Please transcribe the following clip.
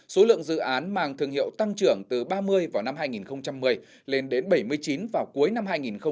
số lượng dự án mang thương hiệu tăng trưởng từ ba mươi vào năm hai nghìn một mươi lên đến bảy mươi chín vào cuối năm hai nghìn một mươi bảy